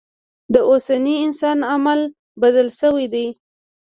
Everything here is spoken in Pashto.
د اوسني انسان علم بدل شوی دی.